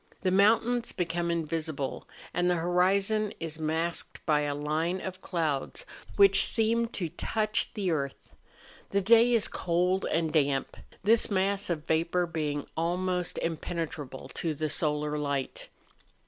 The mountains become invisible, and the horizon is masked by a line of clouds which seem to touch the earth. The day is cold and damp,— this mass of vapour being almost impene¬ trable to the solar light.